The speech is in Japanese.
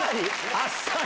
あっさり。